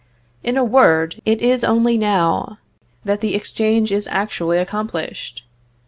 In a word, it is only now that the exchange is actually accomplished.